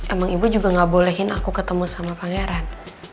emang ibu juga gak bolehin aku ketemu sama pangeran